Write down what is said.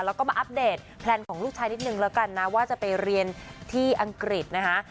แล้วก็มาอัปเดตแพลนของลูกชายนิดนึงแล้วกันนะว่าจะไปเรียนที่อังกฤษนะคะ